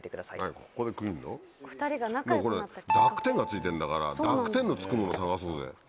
これ濁点が付いてんだから濁点の付くもの探そうぜ。